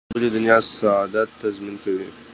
ورسره د بلې دنیا سعادت تضمین کوي.